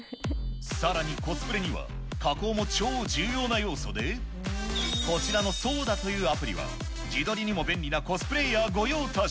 さらにコスプレには加工も超重要な要素で、こちらのソーダというアプリは、自撮りにも便利なコスプレイヤー御用達。